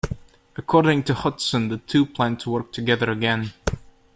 According to Hutson, the two plan to work together again.